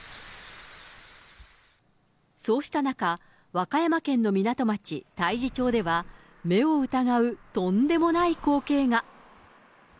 そうした中、和歌山県の港町、太地町では、目を疑うとんでもない光景が。